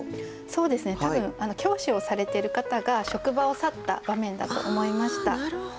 そうですね多分教師をされている方が職場を去った場面だと思いました。